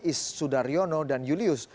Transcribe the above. is sudaryono dan julius